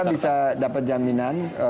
kita bisa dapat jaminan